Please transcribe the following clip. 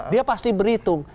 dia pasti berhitung